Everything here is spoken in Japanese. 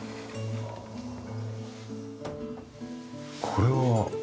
これは？